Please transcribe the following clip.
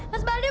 mas baldi mau